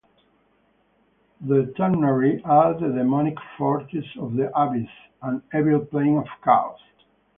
The Tanar'ri are the demonic forces of the Abyss, an evil plane of chaos.